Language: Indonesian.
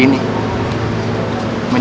yaudah gak bohong orang lain semua